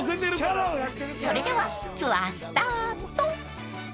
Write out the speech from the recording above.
［それではツアースタート］